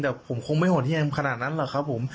แต่ผมคงไม่โหดเยี่ยมขนาดนั้นหรอกครับผม